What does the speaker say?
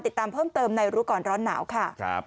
ติดตามเพิ่มเติมในรู้ก่อนร้อนหนาวค่ะ